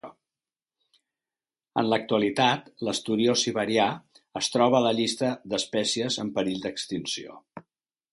En l'actualitat, l'esturió siberià es troba a la llista d'espècies en perill d'extinció.